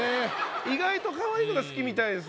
意外とカワイイのが好きみたいです